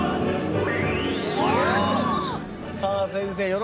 さあ先生